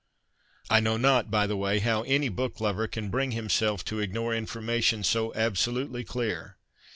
I know not, by the way, how any book lover can bring himself to ignore information so absolutely clear.